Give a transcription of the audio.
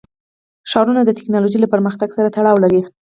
ښارونه د تکنالوژۍ له پرمختګ سره تړاو لري.